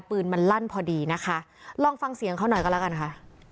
ปืนมันลั่นพอดีนะคะลองฟังเสียงเขาหน่อยก็แล้วกันค่ะ